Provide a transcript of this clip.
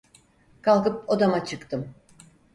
Kalkıp odama çıktım.